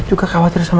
jaga kondisi itu ya